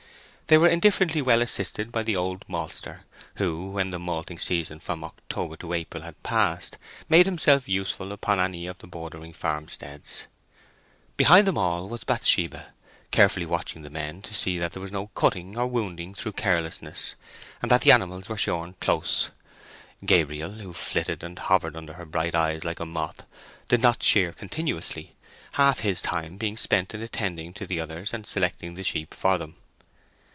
They were indifferently well assisted by the old maltster, who, when the malting season from October to April had passed, made himself useful upon any of the bordering farmsteads. Behind all was Bathsheba, carefully watching the men to see that there was no cutting or wounding through carelessness, and that the animals were shorn close. Gabriel, who flitted and hovered under her bright eyes like a moth, did not shear continuously, half his time being spent in attending to the others and selecting the sheep for them.